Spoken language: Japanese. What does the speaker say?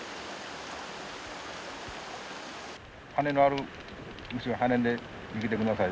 羽のある虫は羽で逃げて下さい。